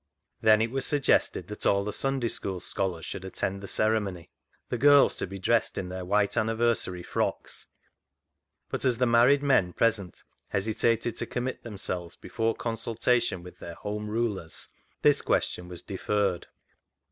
Then it was suggested that all the Sunday School scholars should attend the ceremony, the girls to be dressed in their white anniversary frocks, but as the married men present hesitated to commit themselves before consultation with their home rulers, this question was deferred.